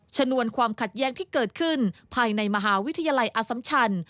ชนวนความขัดแย้งที่เกิดขึ้นภายในมหาวิทยาลัยอสัมชัน